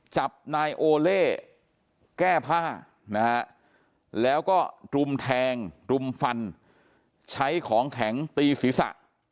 จับนายโอเล่แก้ผ้านะฮะแล้วก็รุมแทงรุมฟันใช้ของแข็งตีศีรษะ